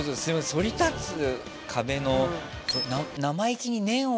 そり立つ壁の。